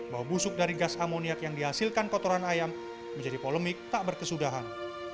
bau busuk dari gas amoniak yang dihasilkan kotoran ayam menjadi polemik tak berkesudahan